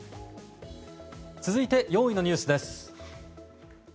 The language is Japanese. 続いて４位のニュースです。